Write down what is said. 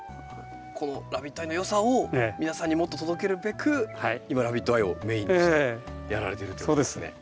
このラビットアイの良さを皆さんにもっと届けるべく今ラビットアイをメインにしてやられてるってことですね。